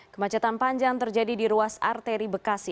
kemacetan panjang terjadi di ruas arteri bekasi